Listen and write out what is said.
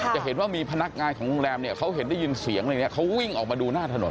จะเห็นว่ามีพนักงานของโรงแรมเนี่ยเขาเห็นได้ยินเสียงอะไรอย่างนี้เขาวิ่งออกมาดูหน้าถนน